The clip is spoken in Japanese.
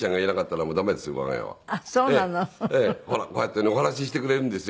ほらこうやってねお話ししてくれるんですよ。